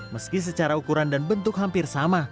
meski secara ukuran dan bentuk hampir sama